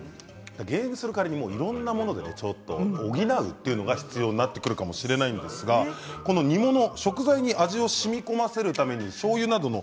減塩する代わりにいろんなもので補うということが必要になってくるかもしれないんですがこの煮物、食材に味をしみこませるためにしょうゆなどの